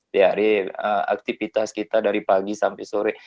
dari aktivitas kita dari pagi sampai sore